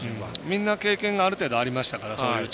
みんな、経験がある程度、ありましたから。